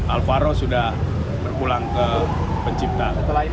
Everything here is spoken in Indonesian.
alvaro sudah berpulang ke pencipta